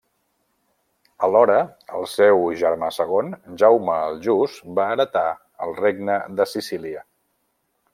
Alhora, el seu germà segon, Jaume el Just va heretar el Regne de Sicília.